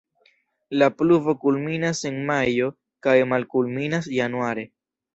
La pluvo kulminas en majo kaj malkulminas januare.